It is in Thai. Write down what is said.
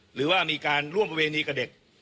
หรือว่ามีการร่วมประเวณีกับเด็ก